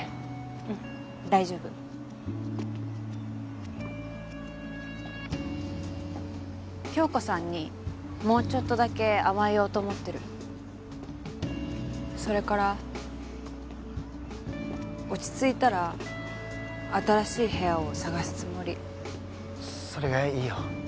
うん大丈夫恭子さんにもうちょっとだけ甘えようと思ってるそれから落ち着いたら新しい部屋を探すつもりそれがいいよ